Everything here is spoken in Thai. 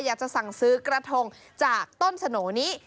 อยากจะสั่งซื้อกระทงจากต้นสโหน่นี้